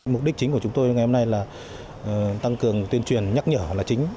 mục đích chính của chúng tôi ngày hôm nay là tăng cường tuyên truyền nhắc nhở là chính